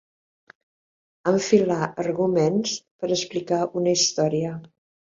Enfilar arguments per explicar una història.